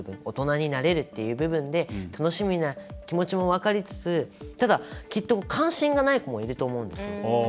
大人になれるっていう部分で楽しみな気持ちも分かりつつただ、きっと関心がない子もいると思うんですよ。